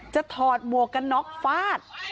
ถอดหมวกกันน็อกฟาด